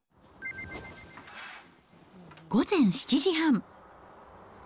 午前７時半。